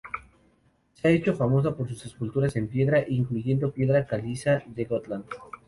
Se ha hecho famosa por sus esculturas en piedra, incluyendo piedra caliza de Gotland.